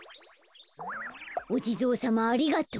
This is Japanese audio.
おじぞうさまありがとう。